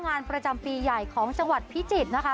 งานประจำปีใหญ่ของจังหวัดพิจิตรนะคะ